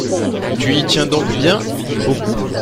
Tu y tiens donc bien ? Beaucoup.